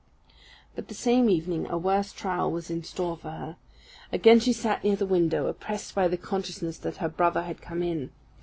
But the same evening a worse trial was in store for her. Again she sat near the window, oppressed by the consciousness that her brother had come in.